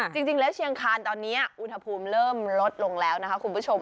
จริงแล้วเชียงคานตอนนี้อุณหภูมิเริ่มลดลงแล้วนะคะคุณผู้ชม